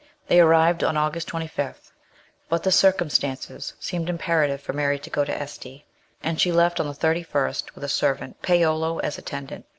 They arrived on August 25, but the circumstances seemed imperative for Mary to go to Este, and she left on the 31st with a servant, Paolo, as attendant.